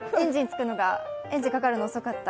エンジンかかるのが遅かった？